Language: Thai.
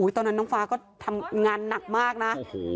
ตอนนั้นน้องฟ้าก็ทำงานหนักมากนะ